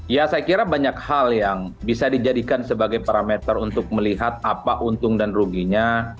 ya saya kira banyak hal yang bisa dijadikan sebagai parameter untuk melihat apa untung dan ruginya